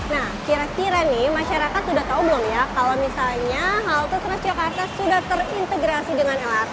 nah kira kira nih masyarakat sudah tahu belum ya kalau misalnya halte transjakarta sudah terintegrasi dengan lrt